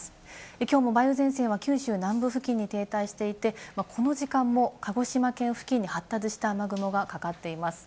きょうも梅雨前線は九州南部付近に停滞していてこの時間も鹿児島県付近に発達した雨雲がかかっています。